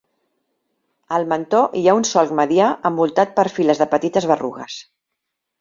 Al mentó hi ha un solc medià envoltat per files de petites berrugues.